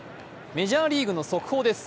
メジャーリーグの速報です。